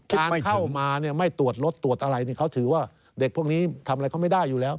ที่เข้ามาไม่ตรวจรถตรวจอะไรเขาถือว่าเด็กพวกนี้ทำอะไรเขาไม่ได้อยู่แล้ว